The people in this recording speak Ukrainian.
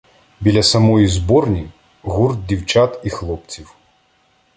Біля самої зборні — гурт дівчат і хлопців.